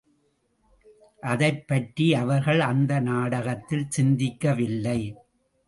அதைப் பற்றி அவர்கள் அந்த நாடகத்தில் சிந்திக்கவில்லை.